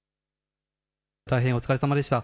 お疲れさまでした。